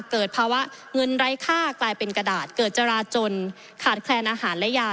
เกิดภาวะเงินไร้ค่ากลายเป็นกระดาษเกิดจราจนขาดแคลนอาหารและยา